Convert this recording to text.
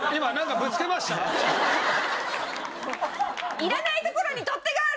いらない所に取っ手があるから！